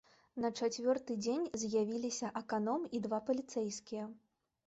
На чацвёрты дзень з'явіліся аканом і два паліцэйскія.